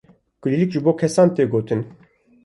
kulîlk ji bo kesan tê gotin.